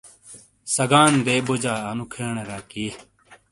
سگان دے بوجا انو کھیݨر اکی